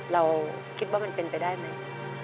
เราคิดว่ามันเป็นไปได้ไหม